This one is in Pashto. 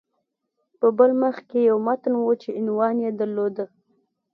په بل مخ کې یو متن و چې عنوان یې درلود